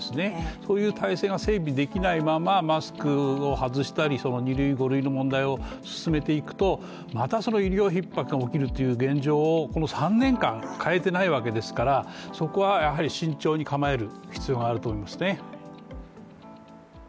そういう体制が整備できないままマスクを外したり、２類、５類の問題を進めていくとまた医療ひっ迫が起こるという現状をこの３年間、変えてないわけですからそこは慎重に構える必要があると思います。